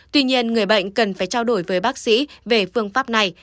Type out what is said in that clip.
tuy nhiên người bệnh cần phải trao đổi với bác sĩ về phương pháp này